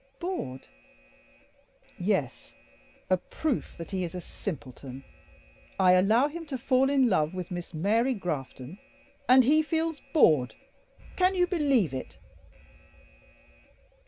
"Bored?" "Yes, a proof that he is a simpleton; I allow him to fall in love with Miss Mary Grafton, and he feels bored. Can you believe it?"